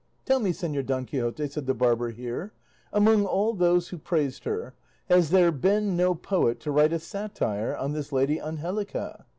"Tell me, Señor Don Quixote," said the barber here, "among all those who praised her, has there been no poet to write a satire on this Lady Angelica?"